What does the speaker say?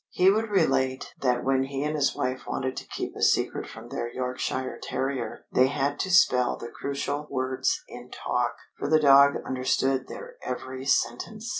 He would relate that when he and his wife wanted to keep a secret from their Yorkshire terrier they had to spell the crucial words in talk, for the dog understood their every sentence.